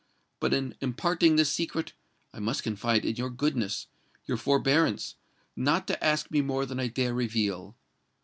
But in imparting this secret, I must confide in your goodness—your forbearance—not to ask me more than I dare reveal.